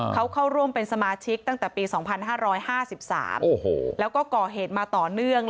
เขาเข้าร่วมเป็นสมาชิกตั้งแต่ปี๒๕๕๓แล้วก็ก่อเหตุมาต่อเนื่อง